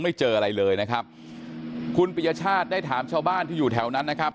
เจออะไรเลยนะครับคุณปิยชาติได้ถามชาวบ้านที่อยู่แถวนั้นนะครับ